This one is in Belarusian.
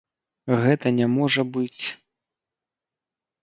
Гэта не можа быць.